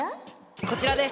こちらです。